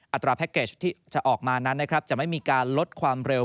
อัตราแพ็คเกจที่จะออกมานั้นนะครับจะไม่มีการลดความเร็ว